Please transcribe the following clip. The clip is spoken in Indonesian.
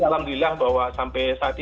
alhamdulillah bahwa sampai saat ini